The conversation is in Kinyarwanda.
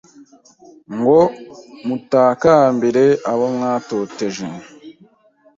Ngo mutakambire abo mwatoteje